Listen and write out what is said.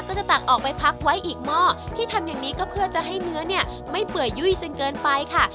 ตักออกไปพักไว้อีกหม้อที่ทำอย่างนี้ก็เพื่อจะให้เนื้อเนี่ยไม่เปื่อยยุ่ยจนเกินไปค่ะ